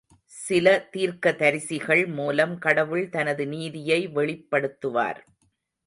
சில தீர்க்கதரிசிகள் மூலம் கடவுள் தனது நீதியை வெளிப்படுத்துவார்.